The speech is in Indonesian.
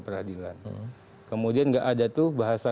peradilan kemudian nggak ada tuh bahasa